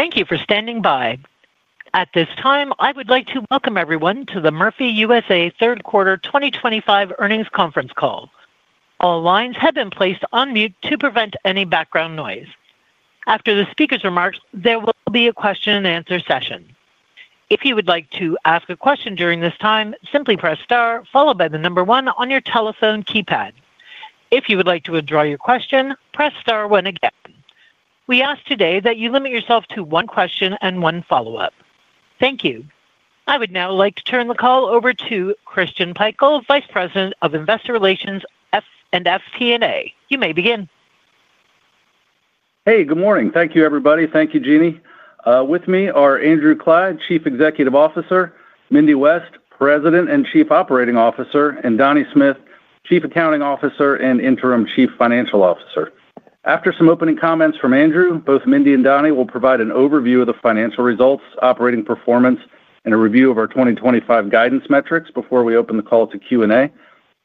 Thank you for standing by. At this time, I would like to welcome everyone to the Murphy USA third quarter 2025 earnings conference call. All lines have been placed on mute to prevent any background noise. After the speaker's remarks, there will be a question and answer session. If you would like to ask a question during this time, simply press STAR followed by the number one on your telephone keypad. If you would like to withdraw your question, press STAR one. Again, we ask today that you limit yourself to one question and one follow up. Thank you. I would now like to turn the call over to Christian Pikul, Vice President of Investor Relations and FP&A. You may begin. Hey, good morning. Thank you everybody. Thank you, Jeannie. With me are Andrew Clyde, Chief Executive Officer, Mindy West, President and Chief Operating Officer, and Donnie Smith, Chief Accounting Officer and Interim Chief Financial Officer. After some opening comments from Andrew, both Mindy and Donnie will provide an overview of the financial results, operating performance, and a review of our 2025 guidance metrics. Before we open the call to Q and A,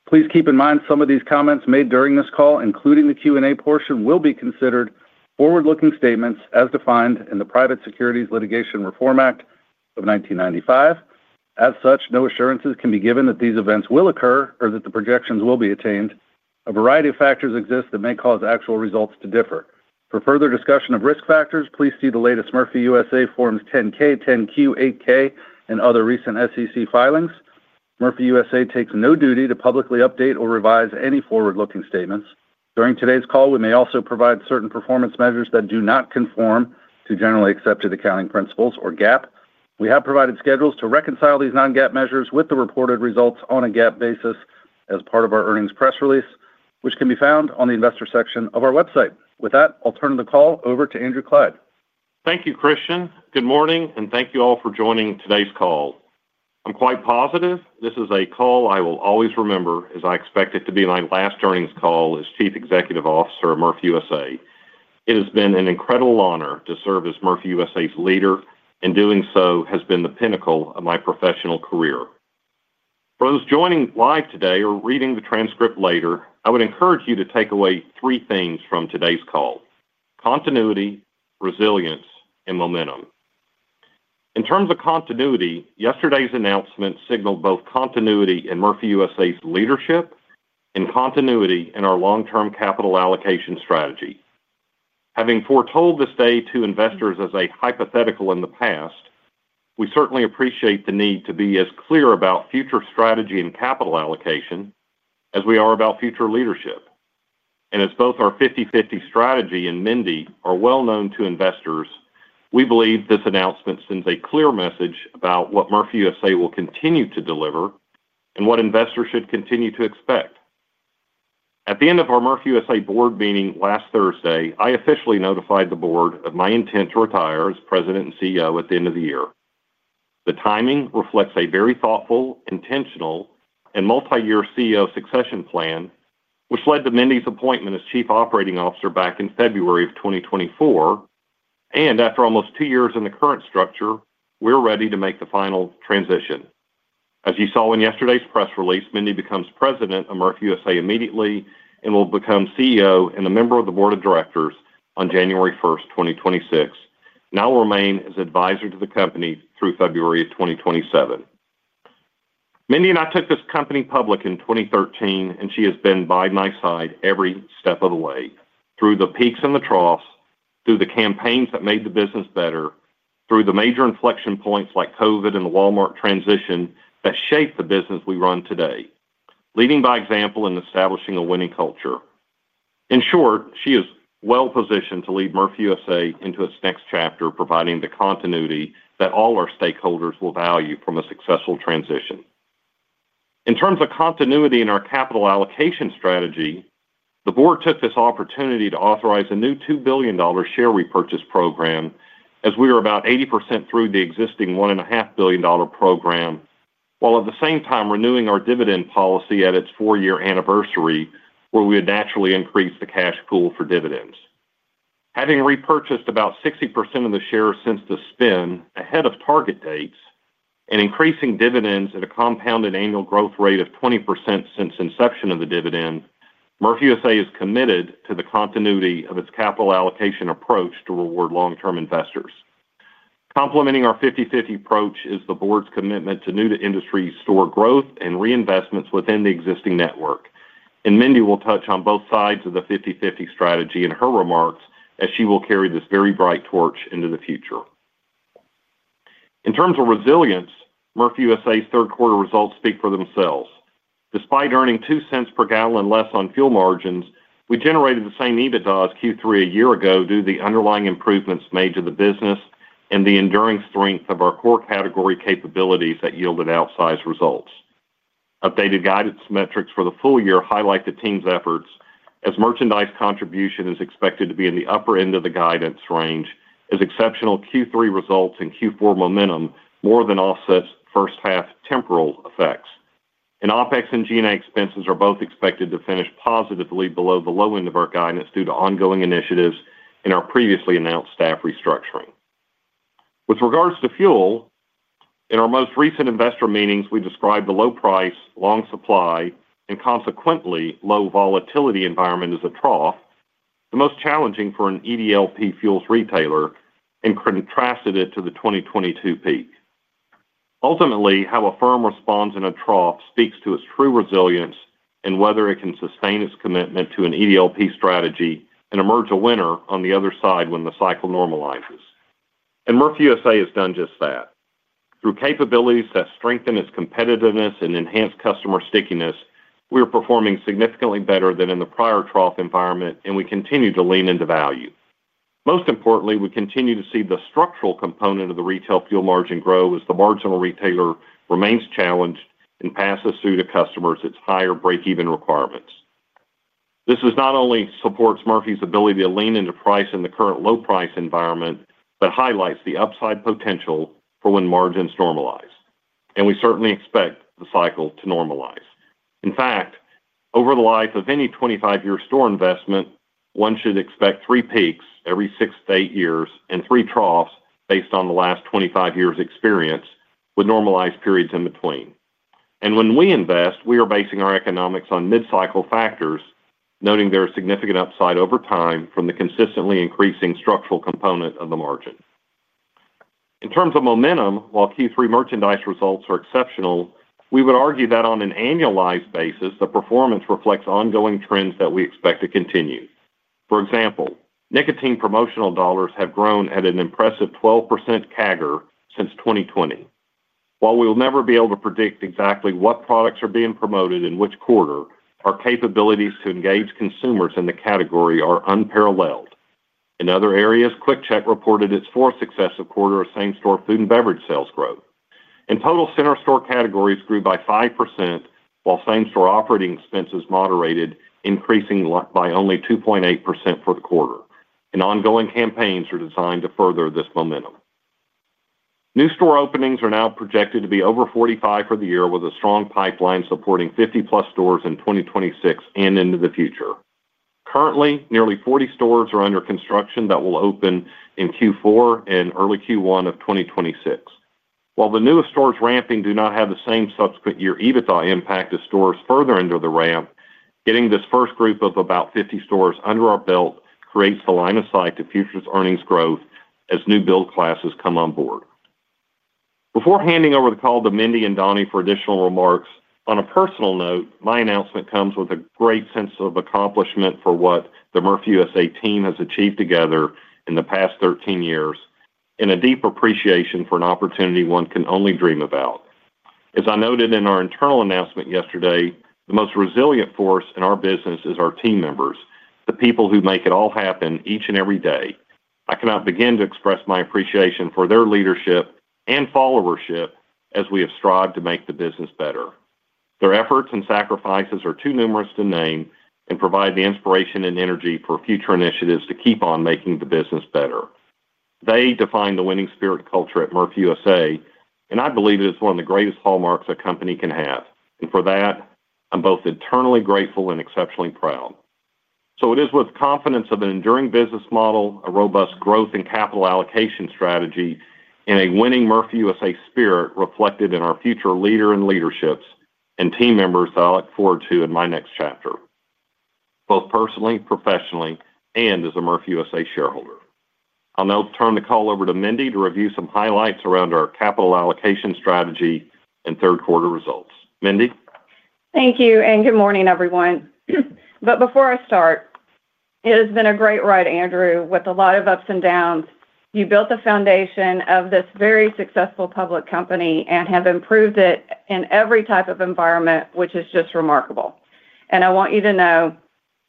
please keep in mind some of these comments made during this call, including the Q and A portion, will be considered forward-looking statements as defined in the Private Securities Litigation Reform Act of 1995. As such, no assurances can be given that these events will occur or that the projections will be attained. A variety of factors exist that may cause actual results to differ. For further discussion of risk factors, please see the latest Murphy USA Forms 10-K, 10-Q, 8-K, and other recent SEC filings. Murphy USA takes no duty to publicly update or revise any forward-looking statements during today's call. We may also provide certain performance measures that do not conform to Generally Accepted Accounting Principles or GAAP. We have provided schedules to reconcile these non-GAAP measures with the reported results on a GAAP basis as part of our earnings press release, which can be found on the Investor section of our website. With that, I'll turn the call over to Andrew Clyde. Thank you, Christian. Good morning and thank you all for joining today's call. I'm quite positive this is a call I will always remember as I expect it to be my last earnings call as Chief Executive Officer of Murphy USA. It has been an incredible honor to serve as Murphy USA's leader and doing so has been the pinnacle of my professional career. For those joining live today or reading the transcript later, I would encourage you to take away three things from today's call: continuity, resilience, and momentum. In terms of continuity, yesterday's announcement signaled both continuity in Murphy USA's leadership and continuity in our long-term capital allocation strategy. Having foretold this day to investors as a hypothetical in the past, we certainly appreciate the need to be as clear about future strategy and capital allocation as we are about future leadership. As both our 50/50 strategy and Mindy are well known to investors, we believe this announcement sends a clear message about what Murphy USA will continue to deliver and what investors should continue to expect. At the end of our Murphy USA Board meeting last Thursday, I officially notified the Board of my intent to retire as President and CEO at the end of the year. The timing reflects a very thoughtful, intentional, and multi-year CEO succession plan which led to Mindy's appointment as Chief Operating Officer back in February of 2024, and after almost two years in the current structure, we're ready to make the final transition. As you saw in yesterday's press release, Mindy becomes President of Murphy USA immediately and will become CEO and a member of the Board of Directors on January 1st, 2026, and I will remain as advisor to the company through February of 2027. Mindy and I took this company public in 2013 and she has been by my side every step of the way through the peaks and the troughs, through the campaigns that made the business better, through the major inflection points like COVID and the Walmart transition that shaped the business we run today, leading by example in establishing a winning culture. In short, she is well positioned to lead Murphy USA into its next chapter, providing the continuity that all our stakeholders will value from a successful transition in terms of continuity in our capital allocation strategy. The Board took this opportunity to authorize a new $2 billion share repurchase program as we are about 80% through the existing $1.5 billion program, while at the same time renewing our dividend policy at its four-year anniversary where we would naturally increase the cash pool for dividends. Having repurchased about 60% of the shares since the spin ahead of target dates and increasing dividends at a compounded annual growth rate of 20% since inception of the dividend, Murphy USA is committed to the continuity of its capital allocation approach to reward long-term investors. Complementing our 50/50 approach is the Board's commitment to new-to-industry store growth and reinvestments within the existing network, and Mindy will touch on both sides of the 50/50 strategy in her remarks as she will carry this very bright torch into the future in terms of resilience. Murphy USA's third quarter results speak for themselves. Despite earning $0.02 per gallon less on fuel margins, we generated the same EBITDA as Q3 a year ago due to the underlying improvements made to the business and the enduring strength of our core category capabilities that yielded outsized results. Updated guidance metrics for the full year highlight the team's efforts as merchandise contribution is expected to be in the upper end of the guidance range as exceptional Q3 results and Q4 momentum more than offset first half temporal effects, and OpEx and SG&A expenses are both expected to finish positively below the low end of our guidance due to ongoing initiatives in our previously announced staff restructuring. With regards to fuel, in our most recent investor meetings we described the low price, long supply, and consequently low volatility environment as a trough, the most challenging for an EDLP fuels retailer, and contrasted it to the 2022 peak. Ultimately, how a firm responds in a trough speaks to its true resilience and whether it can sustain its commitment to an EDLP strategy and emerge a winner on the other side when the cycle normalizes, and Murphy USA has done just that. Through capabilities that strengthen its competitiveness and enhance customer stickiness, we are performing significantly better than in the prior trough environment and we continue to lean into value. Most importantly, we continue to see the structural component of the retail fuel margin grow as the marginal retailer remains challenged and passes through to customers its higher break-even requirements. This not only supports Murphy USA's ability to lean into price in the current low price environment, but highlights the upside potential for when margins normalize and we certainly expect the cycle to normalize. In fact, over the life of any 25-year store investment one should expect three peaks every six to eight years and three troughs based on the last 25 years' experience with normalized periods in between. When we invest, we are basing our economics on mid-cycle factors, noting there is significant upside over time from the consistently increasing structural component of the margin. In terms of momentum, while Q3 merchandise results are exceptional, we would argue that on an annualized basis the performance reflects ongoing trends that we expect to continue. For example, nicotine promotional dollars have grown at an impressive 12% CAGR since 2020. While we will never be able to predict exactly what products are being promoted in which quarter, our capabilities to engage consumers in the category are unparalleled. In other areas, QuickChek reported its fourth successive quarter of same store food and beverage sales growth and total center store categories grew by 5% while same store operating expenses moderated, increasing by only 2.8% for the quarter. Ongoing campaigns are designed to further this momentum. New store openings are now projected to be over 45 for the year, with a strong pipeline supporting 50+ stores in 2026 and into the future. Currently, nearly 40 stores are under construction that will open in Q4 and early Q1 of 2026, while the newest stores ramping do not have the same subsequent year EBITDA impact as stores further into the ramp. Getting this first group of about 50 stores under our belt creates the line of sight to future earnings growth as new build classes come on board. Before handing over the call to Mindy and Donnie for additional remarks, on a personal note, my announcement comes with a great sense of accomplishment for what the Murphy USA team has achieved together in the past 13 years and a deep appreciation for an opportunity one can only dream about. As I noted in our internal announcement yesterday, the most resilient force in our business is our team members, the people who make it all happen each and every day. I cannot begin to express my appreciation for their leadership and followership as we have strived to make the business better. Their efforts and sacrifices are too numerous to name and provide the inspiration and energy for future initiatives to keep on making the business better. They define the winning spirit culture at Murphy USA and I believe it is one of the greatest hallmarks a company can have, and for that I'm both eternally grateful and exceptionally proud. It is with confidence of an enduring business model, a robust growth and capital allocation strategy, and in a winning Murphy USA spirit reflected in our future leader and leaderships and team members that I look forward to in my next chapter, both personally, professionally and as a Murphy USA shareholder. I'll now turn the call over to Mindy to review some highlights around our capital allocation strategy and third quarter results. Mindy, thank you and good morning everyone. Before I start, it has been a great ride Andrew, with a lot of ups and downs. You built the foundation of this very successful public company and have improved it in every type of environment, which is just remarkable and I want you to know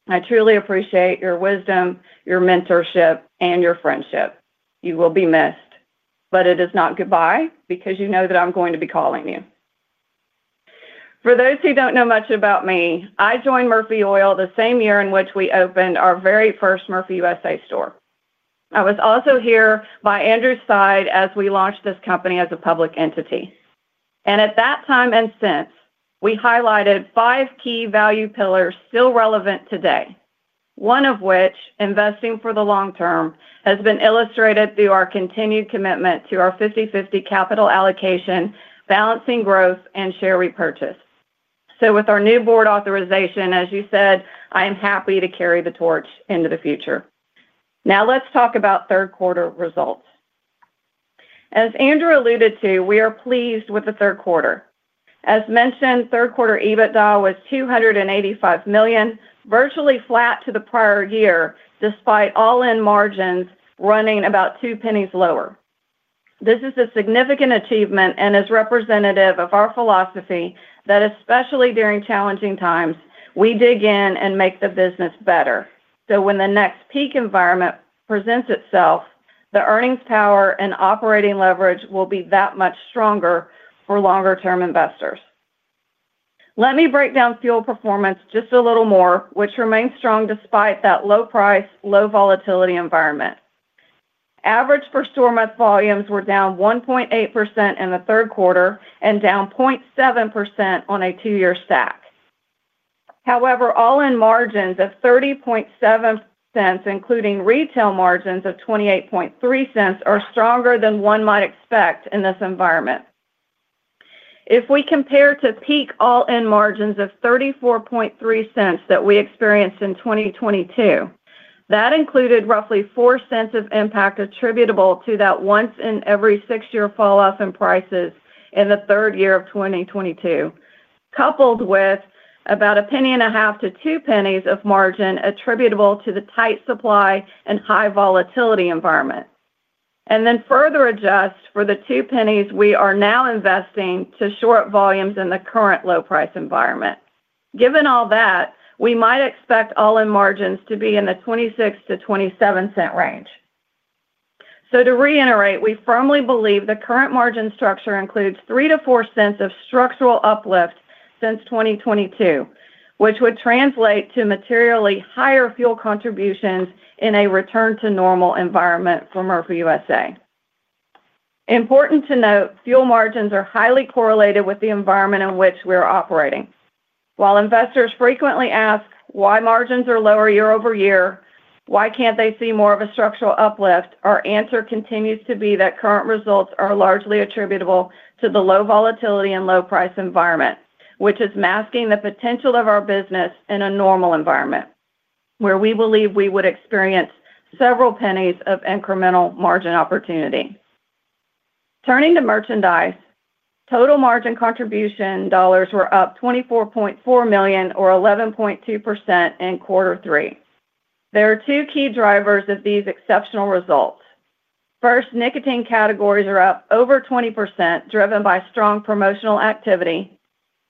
I truly appreciate your wisdom, your mentorship, and your friendship. You will be missed, but it is not goodbye because you know that I'm going to be calling you. For those who don't know much about me, I joined Murphy Oil the same year in which we opened our very first Murphy USA store. I was also here by Andrew's side as we launched this company as a public entity and at that time and since we highlighted five key value pillars still relevant today, one of which, investing for the long term, has been illustrated through our continued commitment to our 50/50 capital allocation, balancing growth and share repurchase. With our new board authorization, as you said, I am happy to carry the torch into the future. Now let's talk about third quarter results. As Andrew alluded to, we are pleased with the third quarter. As mentioned, third quarter EBITDA was $285 million, virtually flat to the prior year despite all-in margins running about $0.02 lower. This is a significant achievement and is representative of our philosophy that, especially during challenging times, we dig in and make the business better. When the next peak environment presents itself, the earnings power and operating leverage will be that much stronger for longer term investors. Let me break down fuel performance just a little more, which remains strong despite that low price, low volatility environment. Average per store month volumes were down 1.8% in the third quarter and down 0.7% on a two-year stack. However, all-in margins of $0.307, including retail margins of $0.283, are stronger than one might expect in this environment. If we compare to peak all-in margins of $0.343 that we experienced in 2022, that included roughly $0.04 of impact attributable to that once in every six-year fall off in prices in the third year of 2022, coupled with about $0.015-$0.02 of margin attributable to the tight supply and high volatility environment, and then further adjust for the $0.02 we are now investing to short volumes in the current low price environment. Given all that, we might expect all-in margins to be in the $0.26-$0.27 range. To reiterate, we firmly believe the current margin structure includes $0.03-$0.04 of structural uplift since 2022, which would translate to materially higher fuel contributions in a return to normal environment for Murphy USA. It is important to note, fuel margins are highly correlated with the environment in which we are operating. While investors frequently ask why margins are lower year-over-year, why they cannot see more of a structural uplift, our answer continues to be that current results are largely attributable to the low volatility and low price environment, which is masking the potential of our business in a normal environment where we believe we would experience several pennies of incremental margin opportunity. Turning to merchandise, total margin contribution dollars were up $24.4 million or 11.2% in quarter three. There are two key drivers of these exceptional results. First, nicotine categories are up over 20% driven by strong promotional activity,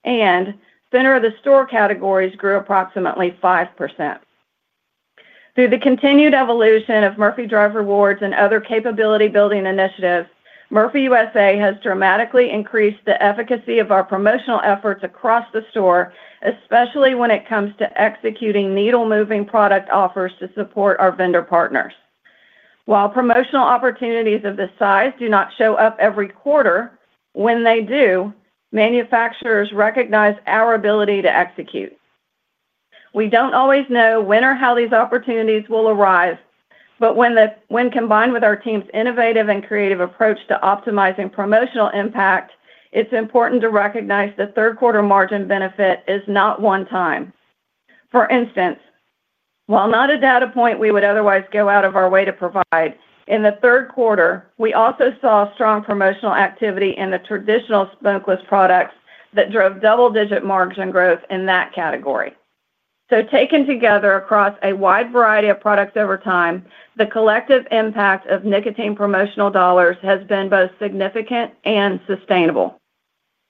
and center of the store categories grew approximately 5%. Through the continued evolution of Murphy Drive Rewards and other capability building initiatives, Murphy USA has dramatically increased the efficacy of our promotional efforts across the store, especially when it comes to executing needle moving product offers to support our vendor partners. While promotional opportunities of this size do not show up every quarter, when they do, manufacturers recognize our ability to execute. We do not always know when or how these opportunities will arise, but when combined with our team's innovative and creative approach to optimizing promotional impact, it is important to recognize the third quarter margin benefit is not one time. For instance, while not a data point we would otherwise go out of our way to provide in the third quarter, we also saw strong promotional activity in the traditional smokeless products that drove double digit margin growth in that category. Taken together across a wide variety of products over time, the collective impact of nicotine promotional dollars has been both significant and sustainable.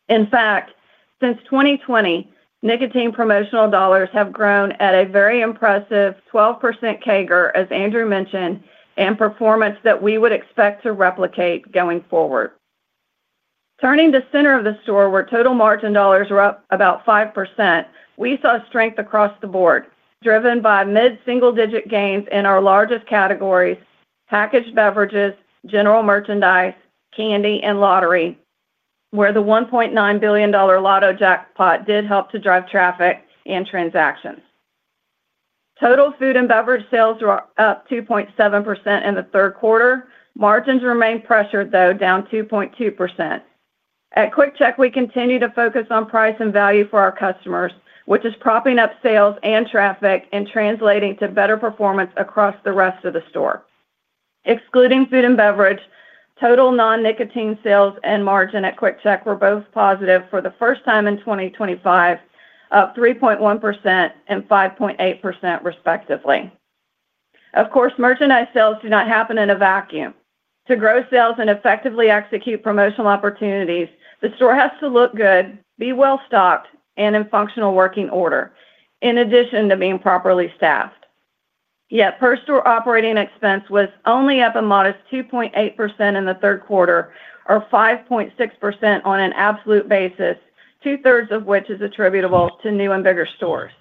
In fact, since 2020, nicotine promotional dollars have grown at a very impressive 12% CAGR as Andrew mentioned, and performance that we would expect to replicate going forward. Turning to center of the store where total margin dollars were up about 5%, we saw strength across the board driven by mid single digit gains in our largest categories, packaged beverages, general merchandise, candy, and lottery, where the $1.9 billion Lotto jackpot did help to drive traffic and transactions. Total food and beverage sales were up 2.7% in the third quarter. Margins remain pressured though, down 2.2% at QuickChek. We continue to focus on price and value for our customers, which is propping up sales and traffic and translating to better performance across the rest of the store. Excluding food and beverage, total non-nicotine sales and margin at QuickChek were both positive for the first time in 2025, up 3.1% and 5.8% respectively. Merchandise sales do not happen in a vacuum. To grow sales and effectively execute promotional opportunities, the store has to look good, be well stocked, and in functional working order in addition to being properly staffed. Yet, per store operating expense was only up a modest 2.8% in the third quarter, or 5.6% on an absolute basis, two-thirds of which is attributable to new and bigger stores.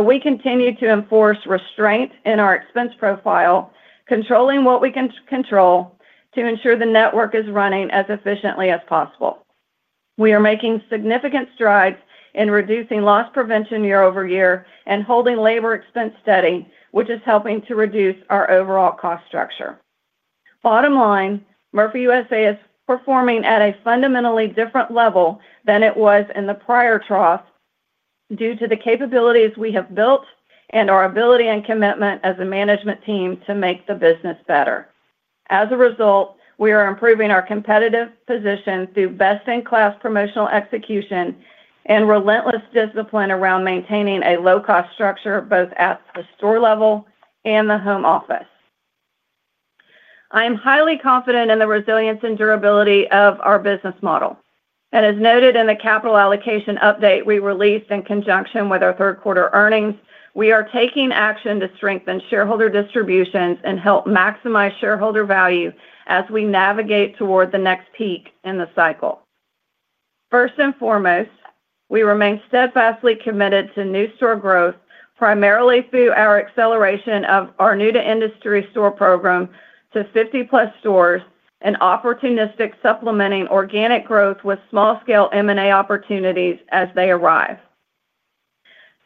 We continue to enforce restraint in our expense profile, controlling what we can control to ensure the network is running as efficiently as possible. We are making significant strides in reducing loss prevention year-over-year and holding labor expense steady, which is helping to reduce our overall cost structure. Bottom line, Murphy USA is performing at a fundamentally different level than it was in the prior trough due to the capabilities we have built and our ability and commitment as a management team to make the business better. As a result, we are improving our competitive position through best-in-class promotional execution and relentless discipline around maintaining a low cost structure both at the store level and the home office. I am highly confident in the resilience and durability of our business model and as noted in the capital allocation update we released in conjunction with our third quarter earnings, we are taking action to strengthen shareholder distributions and help maximize shareholder value as we navigate toward the next peak in the cycle. First and foremost, we remain steadfastly committed to new store growth, primarily through our acceleration of our new to industry store program to 50+ stores and opportunistic supplementing organic growth with small scale M&A opportunities as they arrive.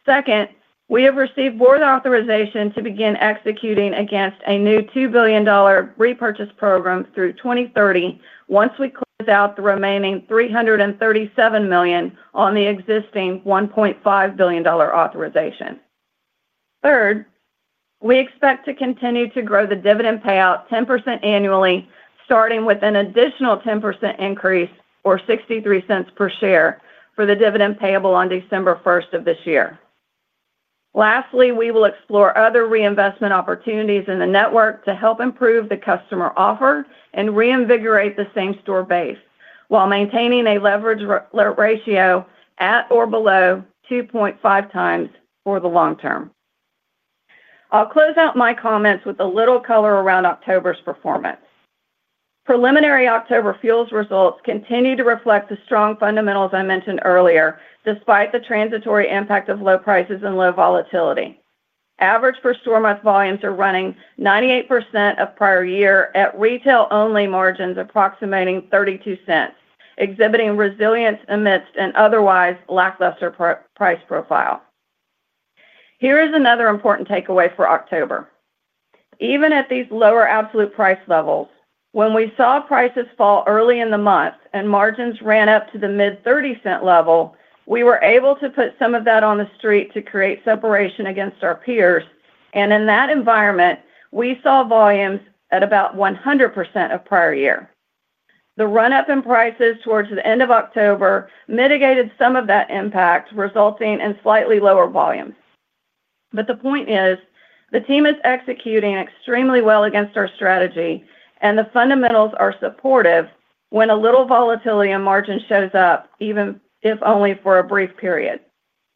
Second, we have received board authorization to begin executing against a new $2 billion repurchase program through 2030 once we close out the remaining $337 million on the existing $1.5 billion authorization. Third, we expect to continue to grow the dividend payout 10% annually, starting with an additional 10% increase or $0.63 per share for the dividend payable on December 1st of this year. Lastly, we will explore other reinvestment opportunities in the network to help improve the customer offer and reinvigorate the same store base while maintaining a leverage ratio at or below 2.5x. For the long term, I'll close out my comments with a little color around October's performance. Preliminary October fuels results continue to reflect the strong fundamentals I mentioned earlier. Despite the transitory impact of low prices and low volatility, average per store month volumes are running 98% of prior year at retail only, margins approximating $0.32 exhibiting resilience amidst an otherwise lackluster price profile. Here is another important takeaway for October: even at these lower absolute price levels, when we saw prices fall early in the month and margins ran up to the mid $0.30 level, we were able to put some of that on the street to create separation against our peers and in that environment we saw volumes at about 100% of prior year. The run up in prices towards the end of October mitigated some of that impact, resulting in slightly lower volumes. The point is the team is executing extremely well against our strategy and the fundamentals are supportive when a little volatility in margin shows up, even if only for a brief period.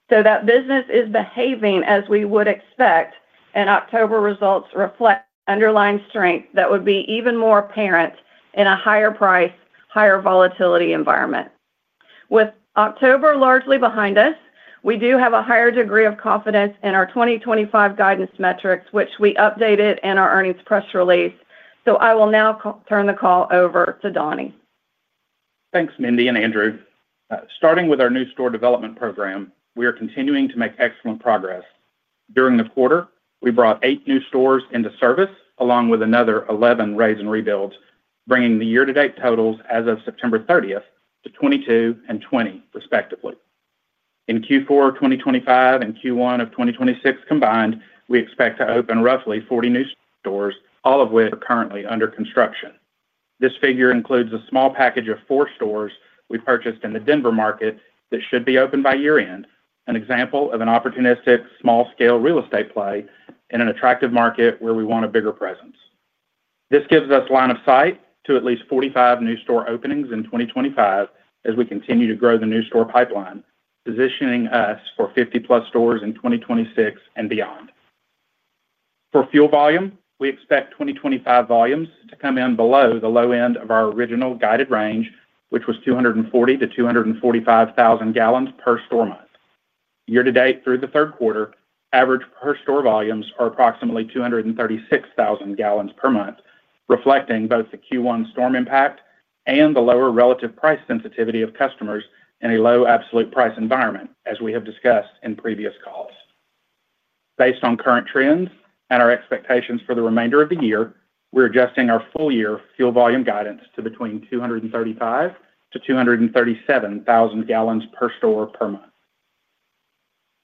That business is behaving as we would expect and October results reflect underlying strength that would be even more apparent in a higher price higher volatility environment. With October largely behind us, we do have a higher degree of confidence in our 2025 guidance metrics which we updated in our earnings press release, so I will now turn the call over to Donnie. Thanks Mindy and Andrew. Starting with our new store development program, we are continuing to make excellent progress. During the quarter, we brought eight new stores into service along with another 11 raise and rebuilds, bringing the year-to-date totals as of September 30th to 22 and 20, respectively. In Q4 2025 and Q1 of 2026 combined, we expect to open roughly 40 new stores, all of which are currently under construction. This figure includes a small package of four stores we purchased in the Denver market that should be open by year-end, an example of an opportunistic small-scale real estate play in an attractive market where we want a bigger presence. This gives us line of sight to at least 45 new store openings in 2025 as we continue to grow the new store pipeline, positioning us for 50+ stores in 2026 and beyond. For fuel volume, we expect 2025 volumes to come in below the low end of our original guided range, which was 240,000 gal-245,000 gal per store month. Year-to-date through the third quarter, average per store volumes are approximately 236,000 gal per month, reflecting both the Q1 storm impact and the lower relative price sensitivity of customers in a low absolute price environment. As we have discussed in previous calls, based on current trends and our expectations for the remainder of the year, we're adjusting our full-year fuel volume guidance to between 235,000 gal-237,000 gal per store per month.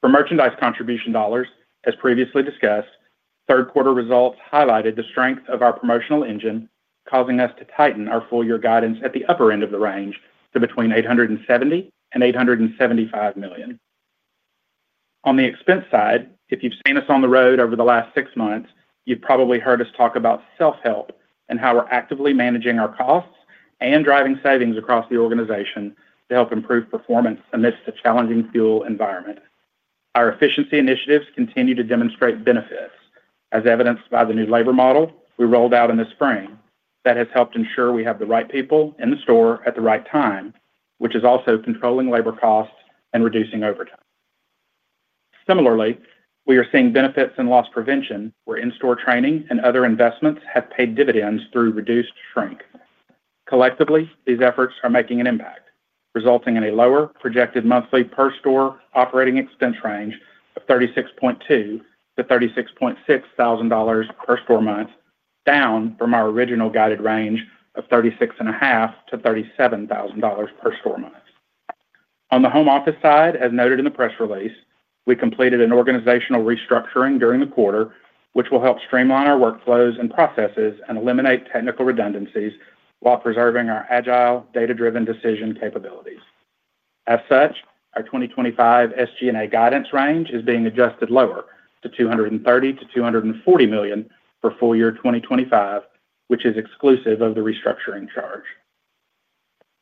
For merchandise contribution dollars, as previously discussed, third quarter results highlighted the strength of our promotional engine, causing us to tighten our full-year guidance at the upper end of the range to between $870 million and $875 million. On the expense side, if you've seen us on the road over the last six months, you've probably heard us talk about self-help and how we're actively managing our costs and driving savings across the organization to help improve performance amidst a challenging fuel environment. Our efficiency initiatives continue to demonstrate benefits as evidenced by the new labor model we rolled out in the spring that has helped ensure we have the right people in the store at the right time, which is also controlling labor costs and reducing overtime. Similarly, we are seeing benefits in loss prevention, where in-store training and other investments have paid dividends through reduced shrink. Collectively, these efforts are making an impact, resulting in a lower projected monthly per store operating expense range of $36,200-$36,600 per store month, down from our original guided range of $36,500-$37,000 per store month. On the home office side, as noted in the press release, we completed an organizational restructuring during the quarter, which will help streamline our workflows and processes and eliminate technical redundancies while preserving our agile data-driven decision capabilities. As such, our 2025 SG&A guidance range is being adjusted lower to $230 million-$240 million for full year 2025, which is exclusive of the restructuring charge.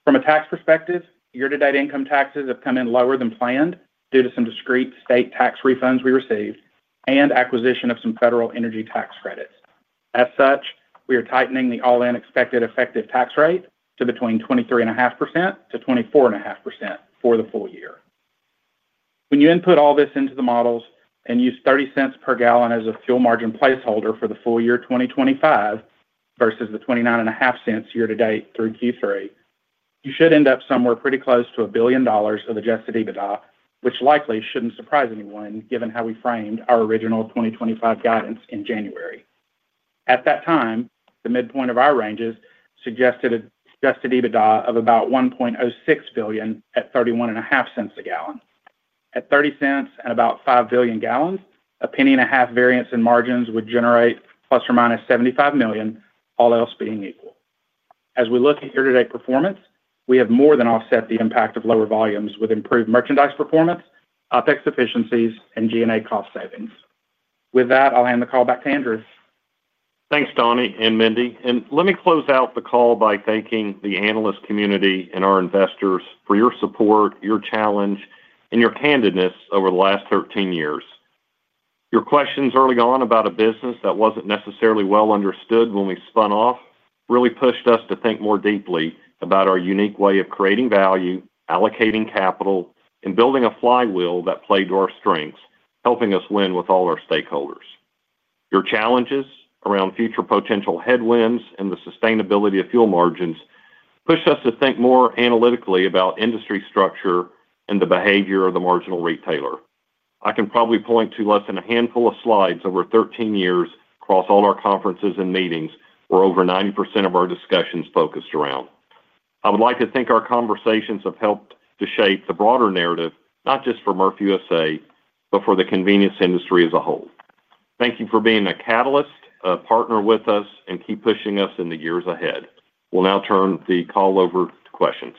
From a tax perspective, year-to-date income taxes have come in lower than planned due to some discrete state tax refunds we received and acquisition of some federal energy tax credits. As such, we are tightening the all-in expected effective tax rate to between 23.5%-24.5% for the full year. When you input all this into the models and use $0.30 per gallon as a fuel margin placeholder for the full year 2025 versus the $0.295 year-to-date through Q3, you should end up somewhere pretty close to $1 billion of adjusted EBITDA, which likely shouldn't surprise anyone given how we framed our original 2025 guidance in January. At that time, the midpoint of our ranges suggested EBITDA of about $1.06 billion at $0.315 a gallon. At $0.30 and about 5 billion gal, a $0.015 variance in margins would generate plus or minus $75 million. All else being equal, as we look at year-to-date performance, we have more than offset the impact of lower volumes with improved merchandise performance, OpEx efficiencies, and G&A cost savings. With that, I'll hand the call back to Andrew. Thanks Donnie and Mindy, and let me close out the call by thanking the analyst community and our investors for your support, your challenge, and your candidness over the last 13 years. Your questions early on about a business that wasn't necessarily well understood when we spun off really pushed us to think more deeply about our unique way of creating value, allocating capital, and building a flywheel that played to our strengths, helping us win with all our stakeholders. Your challenges around future potential headwinds and the sustainability of fuel margins push us to think more analytically about industry structure and the behavior of the marginal retailer. I can probably point to less than a handful of slides over 13 years across all our conferences and meetings where over 90% of our discussions focused around. I would like to think our conversations have helped to shape the broader narrative not just for Murphy USA, but for the convenience industry as a whole. Thank you for being a catalyst partner with us and keep pushing us in the years ahead. Will now turn the call over to questions.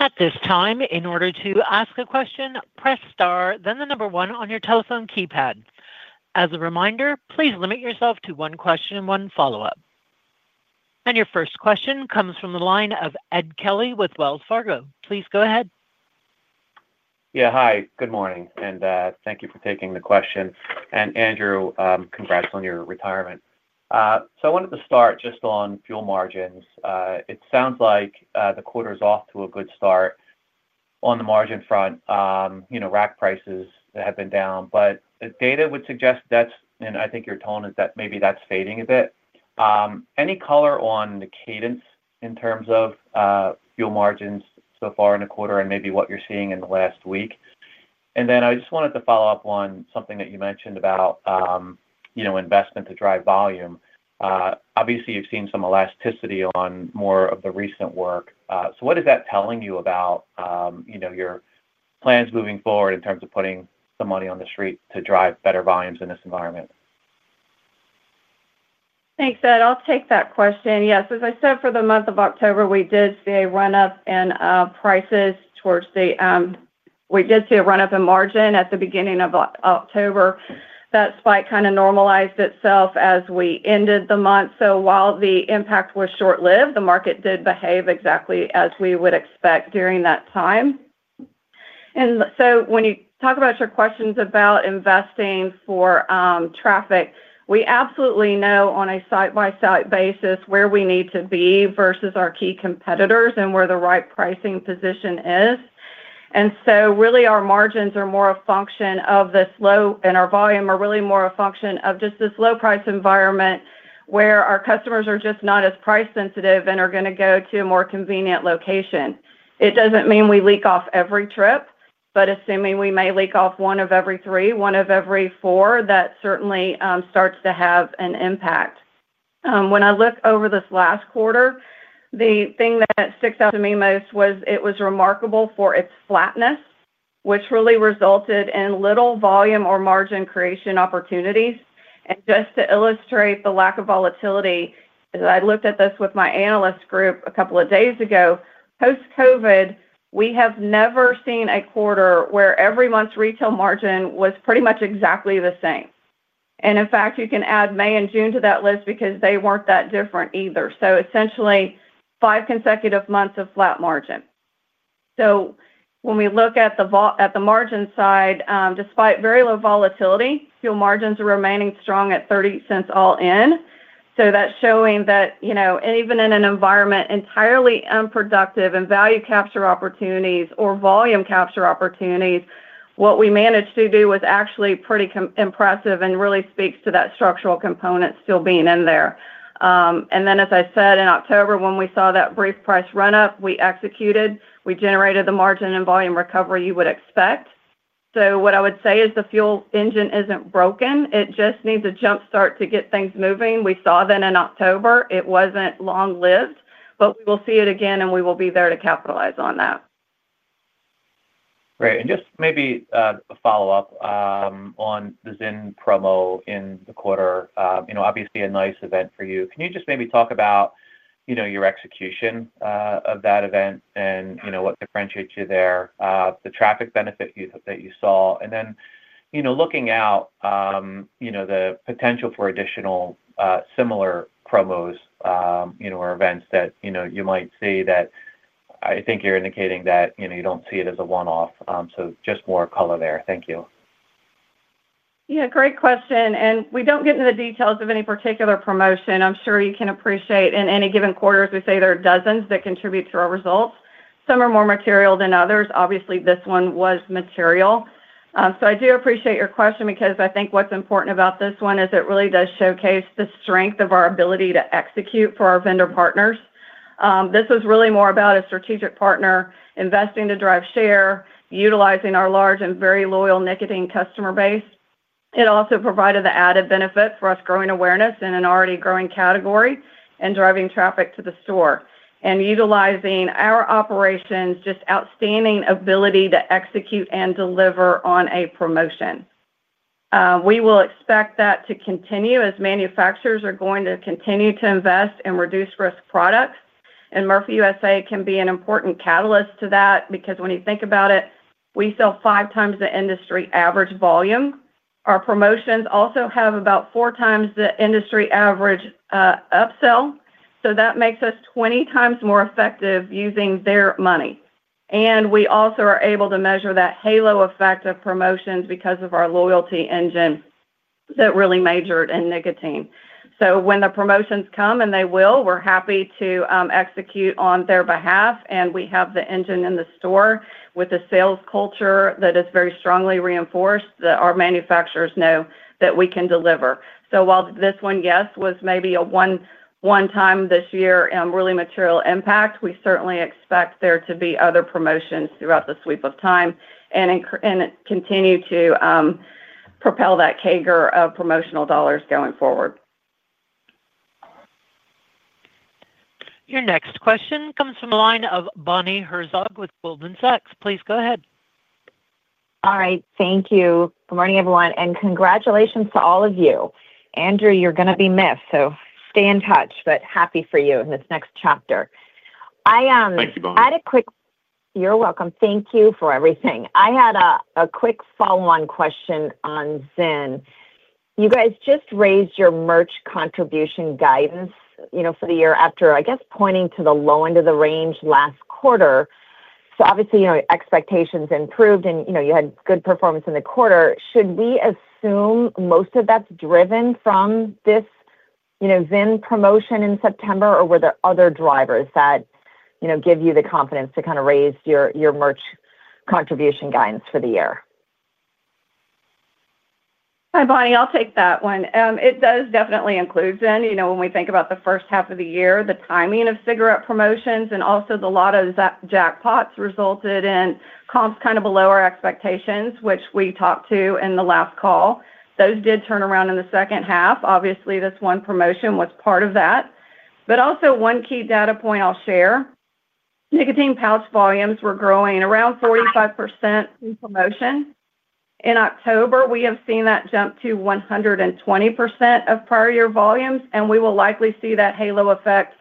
At this time, in order to ask a question, press Star, then the number one on your telephone keypad. As a reminder, please limit yourself to one question and one follow up. Your first question comes from the line of Ed Kelly with Wells Fargo. Please go ahead. Yeah, hi, good morning and thank you for taking the question. Andrew, congrats on your retirement. I wanted to start just on fuel margins. It sounds like the quarter's off to a good start on the margin front. You know, rack prices have been down, but data would suggest that's, and I think your tone is that maybe that's fading a bit. Any color on the cadence in terms of fuel margins so far in the quarter and maybe what you're seeing in the last week? I just wanted to follow up on something that you mentioned about investment to drive volume. Obviously you've seen some elasticity on more of the recent work. What is that telling you about your plans moving forward in terms of putting the money on the street to drive better volumes in this environment? Thanks, Ed. I'll take that question. Yes, as I said for the month of October, we did see a run up in prices towards the, we did see a run up in margin at the beginning of October. That spike kind of normalized itself as we ended. While the impact was short lived, the market did behave exactly as we would expect during that time. When you talk about your questions about investing for traffic, we absolutely know on a site by site basis where we need to be versus our key competitors and where the right pricing position is. Really, our margins are more a function of this low and our volume are really more a function of just this low price environment where our customers are just not as price sensitive and are going to go to a more convenient location. It doesn't mean we leak off every trip, but assuming we may leak off one of every three, one of every four, that certainly starts to have an impact. When I look over this last quarter, the thing that sticks out to me most was it was remarkable for its flatness, which really resulted in little volume or margin creation opportunities. Just to illustrate the lack of volatility, I looked at this with my analyst group a couple of days ago post Covid, we have never seen a quarter where every month's retail margin was pretty much exactly the same. In fact, you can add May and June to that list because they weren't that different either. Essentially, five consecutive months of flat margin. When we look at the margin side, despite very low volatility, fuel margins are remaining strong at $0.30 all in. That's showing that, you know, even in an environment entirely unproductive in value capture opportunities or volume capture opportunities, what we managed to do was actually pretty impressive and really speaks to that structural component still being in there. As I said in October, when we saw that brief price run up, we executed, we generated the margin and volume recovery you would expect. What I would say is the fuel engine isn't broken. It just needs a jump start to get things moving. We saw that in October. It wasn't long lived, but we will see it again and we will be there to capitalize on that. Great. Maybe a follow up on the ZYN promo in the quarter. Obviously a nice event for you. Can you talk about your execution of that event and what differentiates you there? The traffic benefit that you saw and then, looking out, the potential for additional similar promos or events that you might see. I think you're indicating that you don't see it as a one off. Just more color there. Thank you. Yeah, great question. We don't get into the details of any particular promotion. I'm sure you can appreciate in any given quarter, as we say, there are dozens that contribute to our results. Some are more material than others. Obviously, this one was material. I do appreciate your question because I think what's important about this one is it really does showcase the strength of our ability to execute for our vendor partners. This is really more about a strategic partner investing to drive share, utilizing our large and very loyal nicotine customer base. It also provided the added benefit for us growing awareness in an already growing category and driving traffic to the store and utilizing our operations' just outstanding ability to execute and deliver on a promotion. We will expect that to continue as manufacturers are going to continue to invest in reduced risk products. Murphy USA can be an important catalyst to that because when you think about it, we sell five times the industry average volume. Our promotions also have about four times the industry average upsell. That makes us 20x more effective using their money. We also are able to measure that halo effect of promotions because of our loyalty engine that really majored in nicotine. When the promotions come, and they will, we're happy to execute on their behalf. We have the engine in the store with a sales culture that is very strongly reinforced that our manufacturers know that we can deliver. While this one, yes, was maybe a one time this year really material impact, we certainly expect there to be other promotions throughout the sweep of time and continue to propel that CAGR of promotional dollars going forward. Your next question comes from the line of Bonnie Herzog with Goldman Sachs. Please go ahead. All right, thank you. Good morning everyone and congratulations to all of you. Andrew, you're going to be missed, so stay in touch. Happy for you in this next chapter. I am. I had a quick question. You're welcome. Thank you for everything. I had a quick follow-on question on ZYN. You guys just raised your merch contribution guidance for the year after, I guess, pointing to the low end of the range last quarter. Obviously, expectations improved and you had good performance in the quarter. Should we assume most of that's driven from this ZYN promotion in September, or were there other drivers that give you the confidence to kind of raise your merch contribution guidance for the year? Hi Bonnie. I'll take that one. It does definitely include ZYN. You know, when we think about the first half of the year, the timing of cigarette promotions and also the lottery jackpots resulted in comps kind of below our expectations, which we talked to in the last call. Those did turn around in the second half. Obviously this one promotion was part of that. Also, one key data point I'll share, nicotine pouch volumes were growing around 45% in promotion in October. We have seen that jump to 120% of prior year volumes and we will likely see that halo effect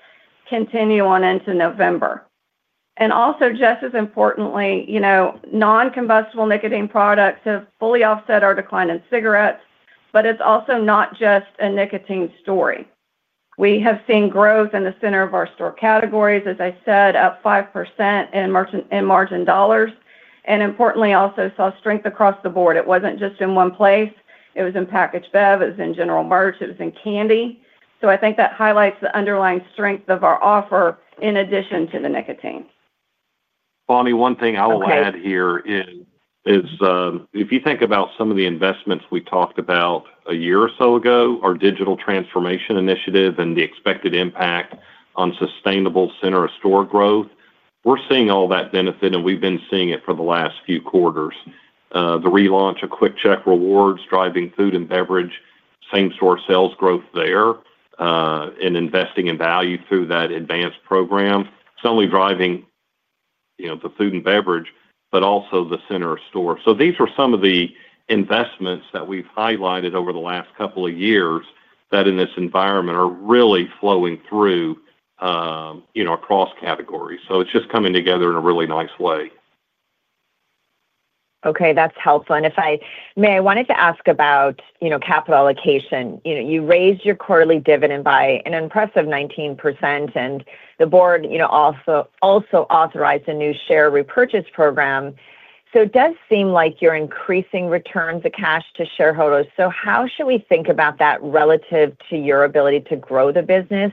continue on into November. Also, just as importantly, noncombustible nicotine products have fully offset our decline in cigarettes. It's also not just a nicotine story. We have seen growth in the center of our store categories, as I said, up 5% in margin dollars and importantly also saw strength across the board. It wasn't just in one place. It was in packaged beverages, it was in general merchandise, it was in candy. I think that highlights the underlying strength of our offer in addition to the nicotine. Bonnie, one thing I will add here is if you think about some of the investments we talked about a year or so ago, our digital transformation initiative and the expected impact on sustainable center of store growth, we're seeing all that benefit and we've been seeing it for the last few quarters. The relaunch of QuickChek Rewards is driving food and beverage same store sales growth there and investing in value through that advanced program, not only driving the food and beverage, but also the center of store. These are some of the investments that we've highlighted over the last couple of years that in this environment are really flowing through across categories. It's just coming together in a really nice way. Okay, that's helpful. If I may, I wanted to ask about capital allocation. You raised your quarterly dividend by an impressive 19%. The board also authorized a. New share repurchase program. It does seem like you're increasing returns of cash to shareholders. How should we think about that relative to your ability to grow the business?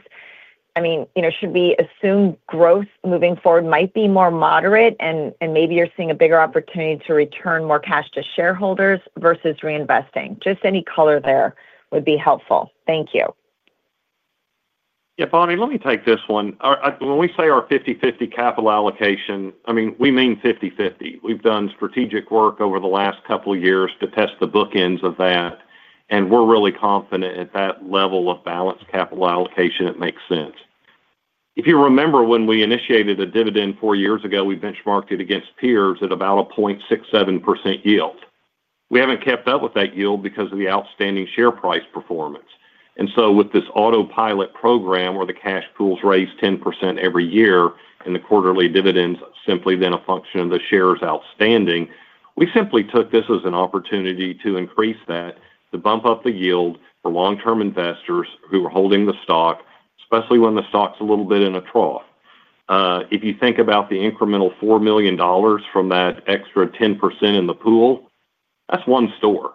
I mean, you know, should we assume growth moving forward might be more moderate and maybe you're seeing a bigger opportunity to return more cash to shareholders versus reinvesting? Just any color there would be helpful. Thank you. Yeah. Bonnie, let me take this one. When we say our 50/50 capital allocation, I mean we mean 50/50. We've done strategic work over the last couple years to test the bookends of that, and we're really confident at that level of balanced capital allocation. It makes sense. If you remember, when we initiated a dividend four years ago, we benchmarked it against peers at about a 0.67% yield. We haven't kept up with that yield because of the outstanding share price performance. With this autopilot program where the cash pool's raised 10% every year and the quarterly dividends simply then a function of the shares outstanding, we simply took this as an opportunity to increase that, to bump up the yield for long-term investors who are holding the stock, especially when the stock's a little bit in a trough. If you think about the incremental $4 million from that extra 10% in the pool, that's one store.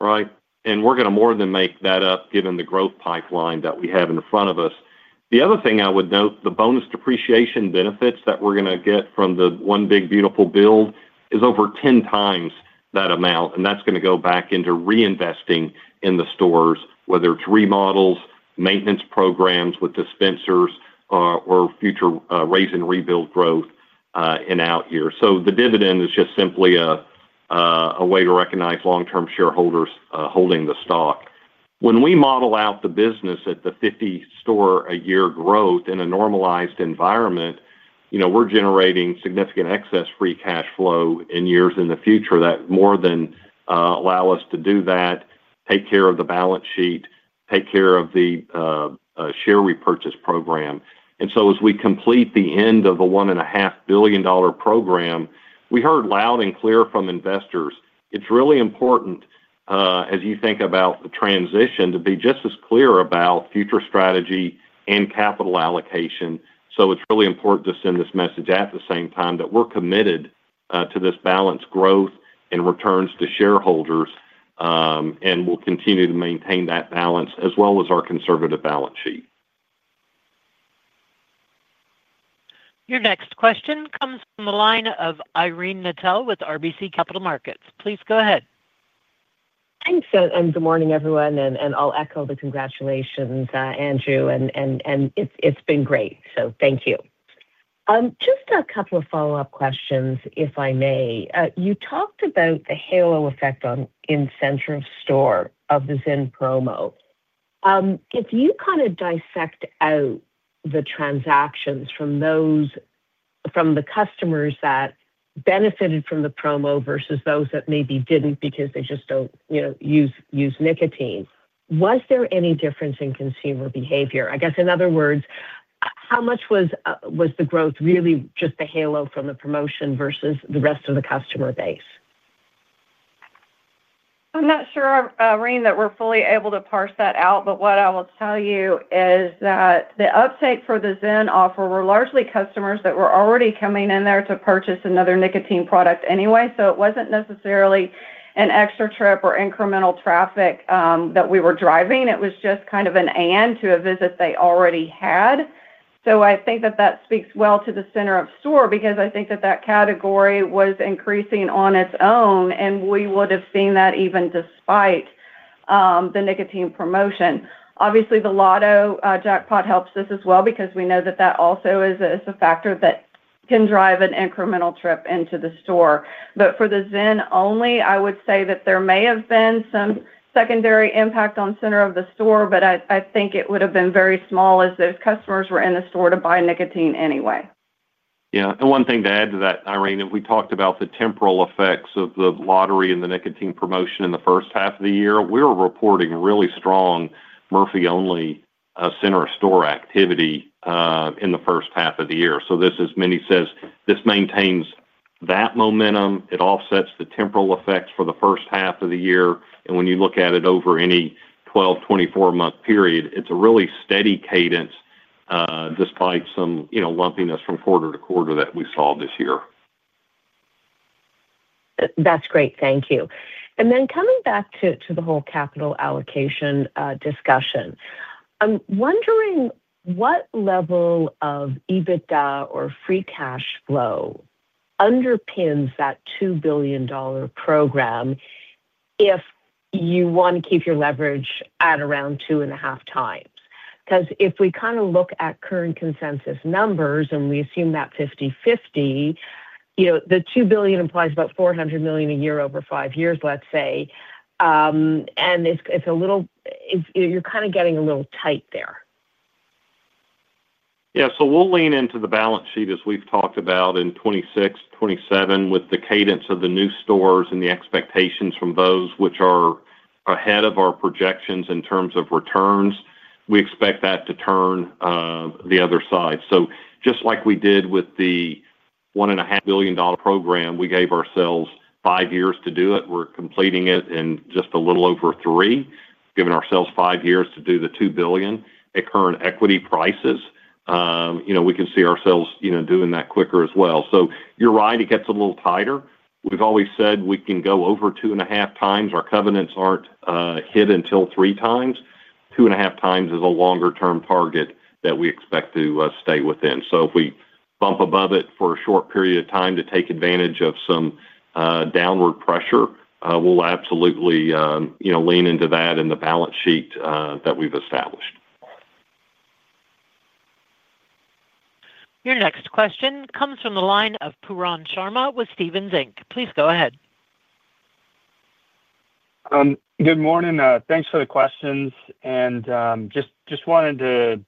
Right. We're going to more than make that up given the growth pipeline that we have in front of us. The other thing I would note, the bonus depreciation benefits that we're going to get from the one big beautiful build is over 10 x that amount. That's going to go back into reinvesting in the stores, whether it's remodels, maintenance programs with dispensers, or future raise and rebuild growth. The dividend is just simply a way to recognize long term shareholders holding the stock. When we model out the business at the 50 store a year growth in a normalized environment, we're generating significant excess free cash flow in years in the future that more than allow us to do that, take care of the balance sheet, take care of the share repurchase program. As we complete the end of the $1.5 billion program, we heard loud and clear from investors, it's really important as you think about the transition to be just as clear about future strategy and capital allocation. It's really important to send this message at the same time that we're committed to this balanced growth and returns to shareholders, and we'll continue to maintain that balance as well as our conservative balance sheet. Your next question comes from the line of Irene Nattel with RBC Capital Markets. Please go ahead. Thanks and good morning everyone. I'll echo the congratulations, Andrew, and it's been great. Thank you. Just a couple of follow up questions if I may. You talked about the halo effect on in-store of the ZYN promo. If you kind of dissect out the transactions from those from the customers that benefited from the promo versus those that maybe didn't because they just don't, you know, use nicotine, was there any difference in consumer behavior? In other words, how much was the growth really just the halo from the promotion versus the rest of the customer base? I'm not sure, really, that we're fully able to parse that out. What I will tell you is that the uptake for the ZYN offer were largely customers that were already coming in there to purchase another nicotine product anyway. It wasn't necessarily an extra trip or incremental traffic that we were driving. It was just kind of an end to a visit they already had. I think that speaks well to the center of store because I think that category was increasing on its own, and we would have seen that even despite the nicotine promotion. Obviously, the lottery jackpot helps us as well because we know that also is a factor that can drive an incremental trip into the store. For the ZYN only, I would say that there may have been some secondary impact on center of the store, but I think it would have been very small as those customers were in the store to buy nicotine anyway. Yeah, and one thing to add to that, Irene. We talked about the temporal effects of the lottery and the nicotine promotion in the first half of the year. We were reporting really strong Murphy only center of store activity in the first half of the year. This, as Mindy says, maintains that momentum. It offsets the temporal effects for the first half of the year. When you look at it over any 12, 24 month period, it's a really steady cadence, despite some lumpiness from quarter to quarter that we saw this year. That's great. Thank you. Coming back to the whole capital allocation discussion, I'm wondering what level of EBITDA or free cash flow underpins that $2 billion program if you want to keep your leverage at around 2.5x. If we kind of look at current consensus numbers and we assume that 50/50, the $2 billion implies about $400 million a year over five years, let's say. It's a little, you're kind of getting a little tight there. Yeah. We'll lean into the balance sheet as we've talked about in 2026, 2027. With the cadence of the new stores and the expectations from those, which are ahead of our projections in terms of returns, we expect that to turn the other side. Just like we did with the $1.5 billion program, we gave ourselves five years to do it. We're completing it in just a little over three, giving ourselves five years to do the $2 billion at current equity prices. You know, we can see ourselves doing that quicker as well. You're right, it gets a little tighter. We've always said we can go over 2.5x. Our covenants aren't hit until 3x. 2.5x is a longer term target that we expect to stay within. If we bump above it for a short period of time to take advantage of some downward pressure, we'll absolutely lean into that in the balance sheet that we've established. Your next question comes from the line of Pooran Sharma with Stephens. Please go ahead. Good morning. Thanks for the questions, and just wanted to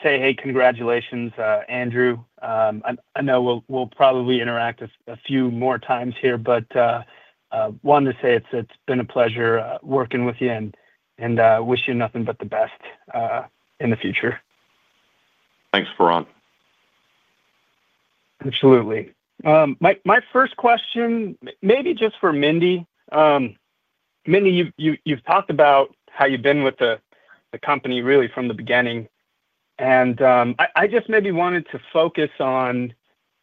say, hey, congratulations, Andrew. I know we'll probably interact a few more times here, but wanted to say it's been a pleasure working with you and wish you nothing but the best in the future. Thanks, Pooran. Absolutely. My first question, maybe just for Mindy. Mindy, you've talked about how you've been with the company really from the beginning, and I just maybe wanted to focus on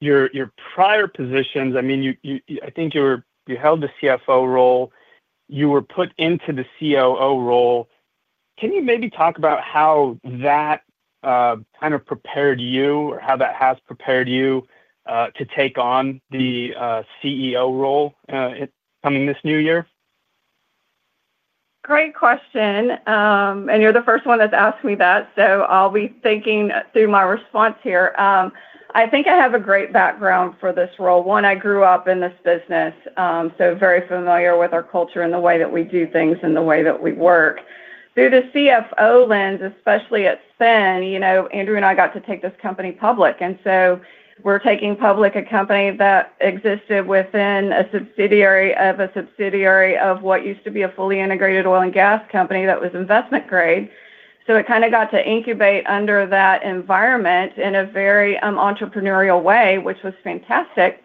your prior positions. I mean, I think you held the CFO role, you were put into the COO role. Can you maybe talk about how that kind of prepared you or how that has prepared you to take on the CEO role coming this new year? Great question. You're the first one that's asked me that. I'll be thinking through my response here. I think I have a great background for this role. One, I grew up in this business, so very familiar with our culture and the way that we do things and the way that we work through the CFO lens, especially at Murphy USA. Andrew and I got to take this company public. We were taking public a company that existed within a subsidiary of a subsidiary of what used to be a fully integrated oil and gas company that was investment grade. It kind of got to incubate under that environment in a very entrepreneurial way, which was fantastic.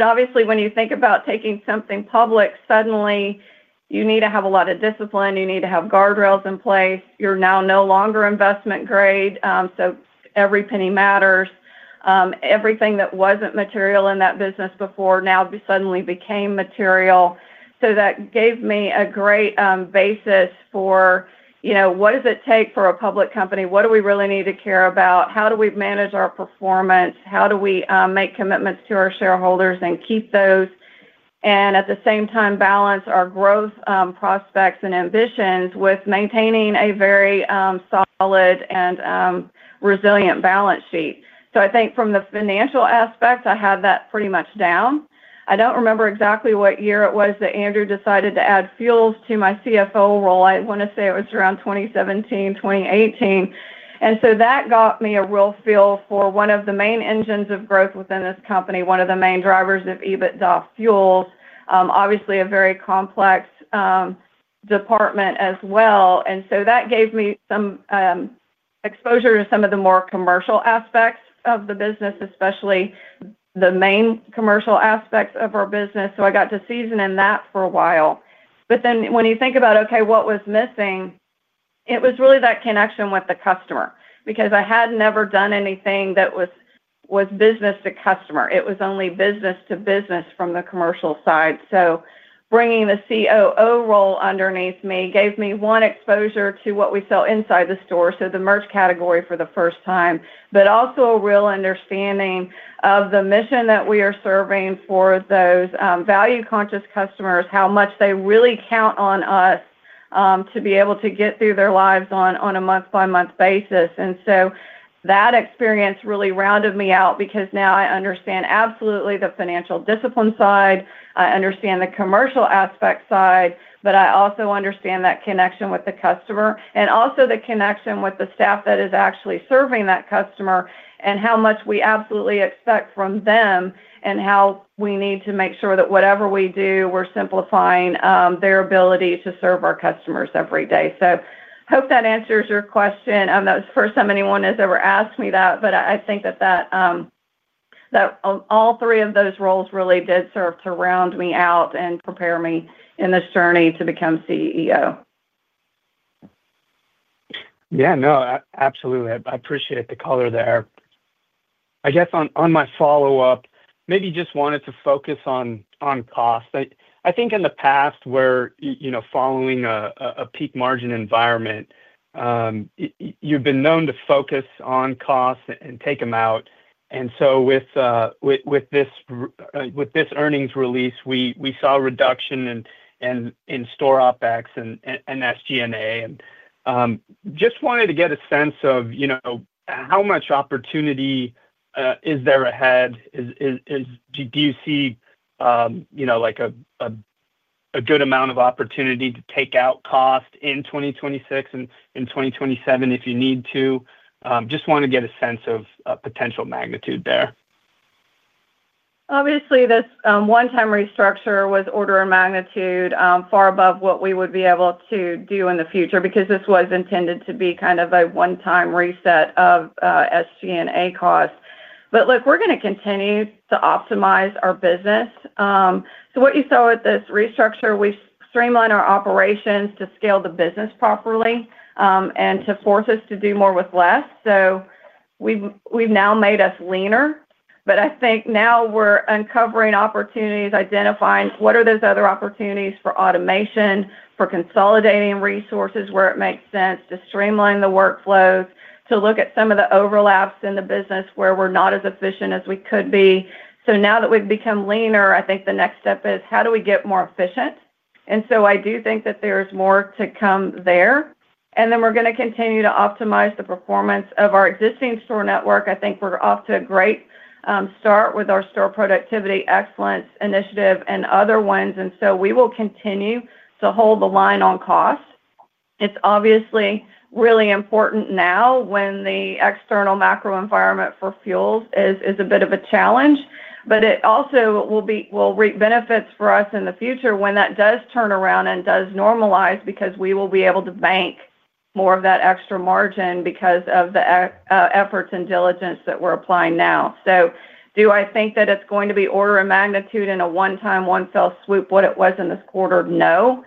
Obviously, when you think about taking something public, suddenly you need to have a lot of discipline. You need to have guardrails in place. You're now no longer investment grade, so every penny matters. Everything that wasn't material in that business before now suddenly became material. That gave me a great basis for, you know, what does it take for a public company? What do we really need to care about? How do we manage our performance? How do we make commitments to our shareholders and keep those and at the same time balance our growth prospects and ambitions with maintaining a very solid and resilient balance sheet? I think from the financial aspect, I had that pretty much down. I don't remember exactly what year it was that Andrew decided to add fuels to my CFO role. I want to say it was around 2017, 2018. That got me a real feel for one of the main engines of growth within this company, one of the main drivers of EBITDA. Fuels, obviously a very complex department as well. That gave me some exposure to some of the more commercial aspects of the business, especially the main commercial aspects of our business. I got to season in that for a while. When you think about, okay, what was missing, it was really that connection with the customer. I had never done anything that was business to customer. It was only business to business from the commercial side. Bringing the COO role underneath me gave me one exposure to what we sell inside the store, so the merch category for the first time, but also a real understanding of the mission that we are serving for those value conscious customers, how much they really count on us to be able to get through their lives on a month by month basis. That experience really rounded me out because now I understand absolutely the financial discipline side, I understand the commercial aspect side, but I also understand that connection with the customer and also the connection with the staff that is actually serving that customer and how much we absolutely expect from them and how we need to make sure that whatever we do, we're simplifying their ability to serve our customers every day. I hope that answers your question. That was the first time anyone has ever asked me that. I think that all three of those roles really did serve to round me out and prepare me in this journey to become CEO. Yeah, no, absolutely. I appreciate the color there. I guess on my follow-up maybe just wanted to focus on cost. I think in the past where, you know, following a peak margin environment you've been known to focus on costs and take them out. With this earnings release we saw a reduction in store OpEx and SG&A and just wanted to get a sense of how much opportunity is there ahead. Do you see, you know, like a good amount of opportunity to take out cost in 2026 and in 2027 if you need to? Just want to get a sense of potential magnitude there. Obviously, this one-time restructure was order of magnitude far above what we would be able to do in the future because this was intended to be kind of a one-time reset of SG&A cost. Look, we're going to continue to optimize our business. What you saw with this restructure, we streamlined our operations to scale the business properly and to force us to do more with less. We've now made us leaner, but I think now we're uncovering opportunities, identifying what are those other opportunities for automation, for consolidating resources where it makes sense to streamline the workflows, to look at some of the overlaps in the business where we're not as efficient as we could be. Now that we've become leaner, I think the next step is how do we get more efficient. I do think that there's more to come there, and we're going to continue to optimize the performance of our existing store network. I think we're off to a great start with our store productivity excellence initiative and other ones. We will continue to hold the line on cost. It's obviously really important now when the external macro environment for fuels is a bit of a challenge, but it also will reap benefits for us in the future when that does turn around and does normalize because we will be able to bank more of that extra margin because of the efforts and diligence that we're applying now. Do I think that it's going to be order of magnitude in a one-time, one fell swoop what it was in this quarter? No,